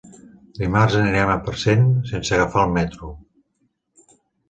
Dimarts anirem a Parcent sense agafar el metro.